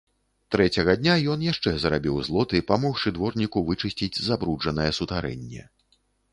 Трэцяга дня ён яшчэ зарабіў злоты, памогшы дворніку вычысціць забруджанае сутарэнне.